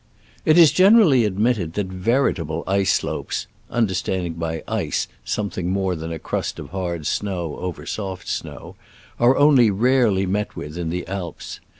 It is generally admitted that veritable ice slopes (understanding by ice some thing more than a crust of hard snow over soft snow) are only rarely met with in the Alps.